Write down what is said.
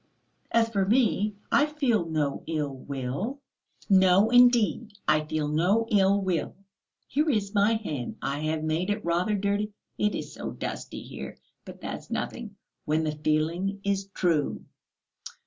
As for me, I feel no ill will; no, indeed, I feel no ill will, here is my hand. I have made it rather dirty, it is so dusty here; but that's nothing, when the feeling is true."